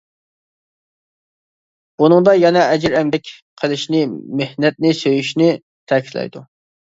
بۇنىڭدا يەنە ئەجىر ئەمگەك قىلىشنى، مېھنەتنى سۆيۈشنى تەكىتلەيدۇ.